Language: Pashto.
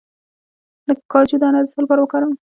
د کاجو دانه د څه لپاره وکاروم؟